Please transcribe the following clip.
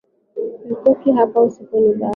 Sitoki hapa usiponibariki.